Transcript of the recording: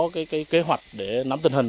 cái kế hoạch để nắm tình hình